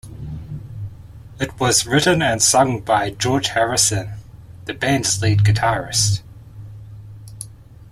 It was written and sung by George Harrison, the band's lead guitarist.